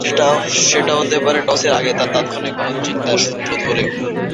সেটা হতে পারে টসের আগে তাঁর তাৎক্ষণিক কোনো চিন্তার সূত্র ধরেও।